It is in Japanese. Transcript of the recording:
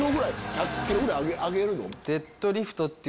１００ｋｇぐらい上げるの？